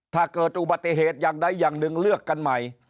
ถ้าเกิดอุบัติเหตุอย่างนึงเลือกกันใหม่